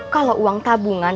kalau uang tabungan